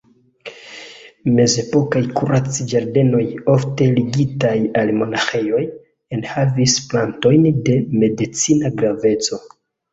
Mezepokaj kurac-ĝardenoj, ofte ligitaj al monaĥejoj, enhavis plantojn de medicina graveco.